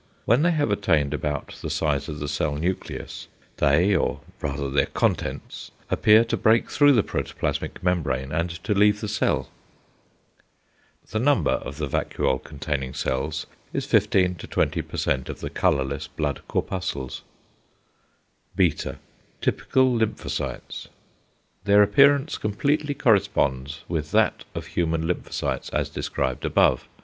When they have attained about the size of the cell nucleus, they, or rather their contents, appear to break through the protoplasmic membrane and to leave the cell. The number of the vacuole containing cells is 15 20% of the colourless blood corpuscles. ([beta]) Typical lymphocytes. Their appearance completely corresponds with that of human lymphocytes as described above.